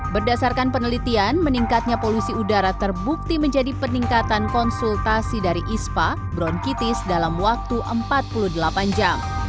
berdasarkan penelitian meningkatnya polusi udara terbukti menjadi peningkatan konsultasi dari ispa bronkitis dalam waktu empat puluh delapan jam